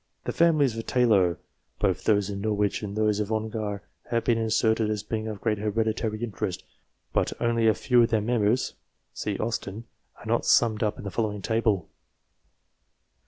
The families of Taylor, both those of Norwich and those of Ongar, have been inserted as being of great hereditary interest, but only a few of their members (see AUSTEN) are summed up in the following table.